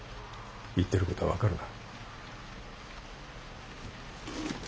言ってることは分かるな？